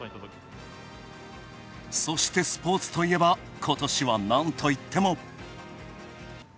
そして、スポーツといえば、ことしはなんといっても。